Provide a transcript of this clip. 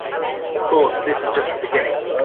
Of course, this is just the beginning.